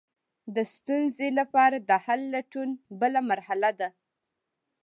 د ستونزې لپاره د حل لټول بله مرحله ده.